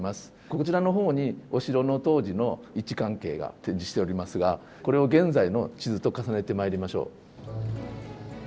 こちらの方にお城の当時の位置関係が展示しておりますがこれを現在の地図と重ねてまいりましょう。